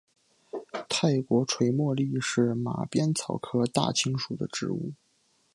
泰国垂茉莉是马鞭草科大青属的植物。